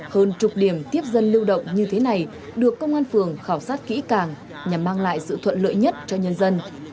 hơn chục điểm tiếp dân lưu động như thế này được công an phường khảo sát kỹ càng nhằm mang lại sự thuận lợi nhất cho nhân dân